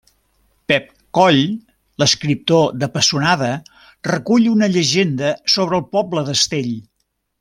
Pep Coll, l'escriptor de Pessonada, recull una llegenda sobre el poble d'Astell.